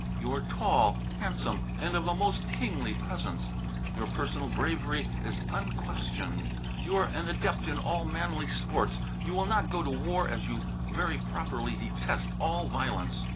You are tall, handsome and of a most kingly presence. Your personal bravery is unquestioned, you are an adept in all manly sports, but you will not go to war as you very properly detest all violence.